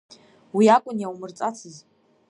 Уи акәын иаумырҵацыз.